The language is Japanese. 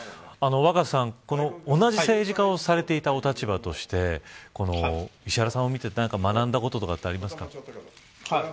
若狭さん、同じ政治家をされていたお立場として石原さんを見て学んだこととかありますか。